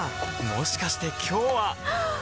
もしかして今日ははっ！